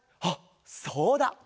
あっそうだ！